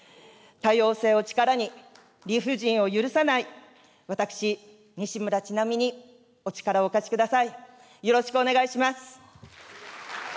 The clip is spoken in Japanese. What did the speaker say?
多様性を力に、理不尽を許さない、私、西村智奈美にお力をお貸しください。